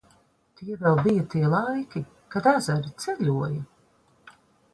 Tie vēl bija tie laiki, kad ezeri ceļoja.